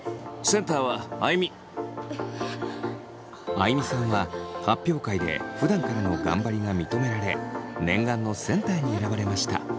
あいみさんは発表会でふだんからの頑張りが認められ念願のセンターに選ばれました。